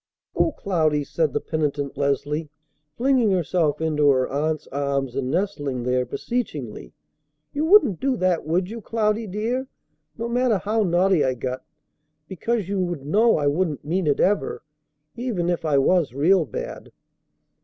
"O Cloudy!" said the penitent Leslie, flinging herself into her aunt's arms and nestling there beseechingly. "You wouldn't do that, would you, Cloudy, dear? No matter how naughty I got? Because you would know I wouldn't mean it ever. Even if I was real bad."